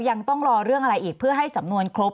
ยังต้องรอเรื่องอะไรอีกเพื่อให้สำนวนครบ